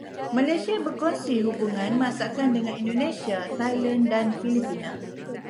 Malaysia berkongsi hubungan masakan dengan Indonesia, Thailand dan Filipina.